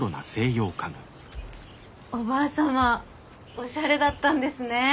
おばあ様お洒落だったんですね。